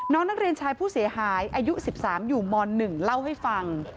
นักเรียนชายผู้เสียหายอายุ๑๓อยู่ม๑เล่าให้ฟัง